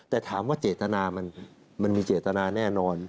แต่ถามว่าเจตนามันมีเจตนาแน่นอน